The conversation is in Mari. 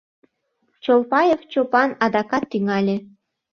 Чолпаев Чопан адакат тӱҥале.